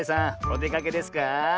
おでかけですか？